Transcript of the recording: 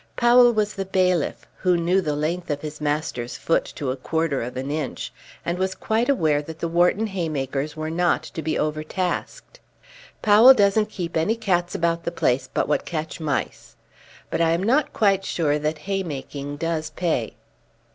Powell was the bailiff, who knew the length of his master's foot to a quarter of an inch, and was quite aware that the Wharton haymakers were not to be overtasked. "Powell doesn't keep any cats about the place, but what catch mice. But I am not quite sure that haymaking does pay."